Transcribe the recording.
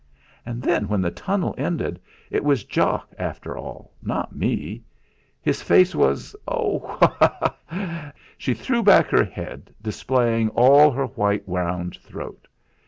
And then when the tunnel ended, it was Jock after all, not me. His face was Oh! ah! ha! ha! Ah! ha!" She threw back her head, displaying all her white, round throat.